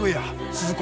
鈴子。